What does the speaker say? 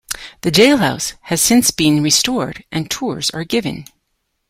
The jailhouse has since been restored and tours are given.